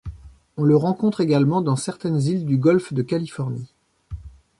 On le rencontre également dans certaines îles du Golfe de Californie.